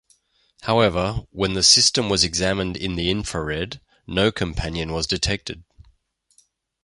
However, when the system was examined in the infrared, no companion was detected.